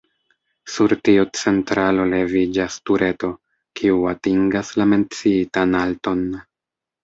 Sur tiu centralo leviĝas tureto, kiu atingas la menciitan alton.